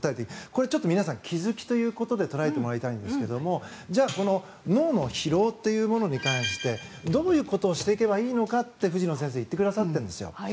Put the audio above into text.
これ皆さん、気付きということで捉えてもらいたいんですがじゃあ、この脳の疲労というものに関してどういうことをしていけばいいのかって藤野先生言ってくださってますよ。